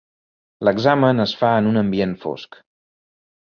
L'examen es fa en un ambient fosc.